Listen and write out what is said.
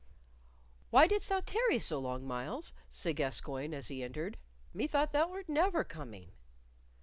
"Why didst thou tarry so long, Myles?" said Gascoyne, as he entered. "Methought thou wert never coming."